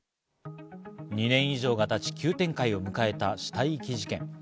２年以上が経ち、急展開を迎えた死体遺棄事件。